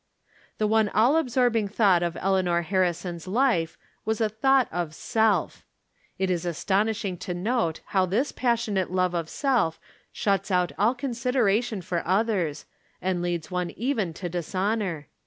The one all absorbing thought of Eleanor Har rison's life was a thought of self. It is astonish ing to note how this passionate love of self shuts out all consideration for others, and leads one even to dishonor.